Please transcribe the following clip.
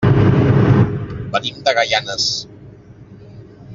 Venim de Gaianes.